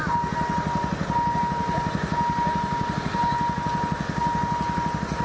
โรงพยาบาลโรงพยาบาล